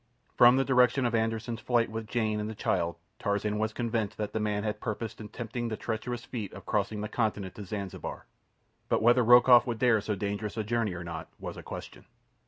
From the direction of Anderssen's flight with Jane and the child Tarzan was convinced that the man had purposed attempting the tremendous feat of crossing the continent to Zanzibar; but whether Rokoff would dare so dangerous a journey or not was a question.